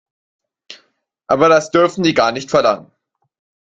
Aber das dürfen die gar nicht verlangen.